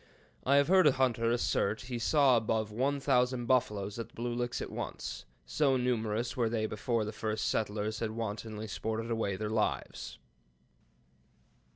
I have heard a hunter assert he saw above one thousand buffaloes at the Blue Licks at once; so numerous were they before the first settlers had wantonly sported away their lives."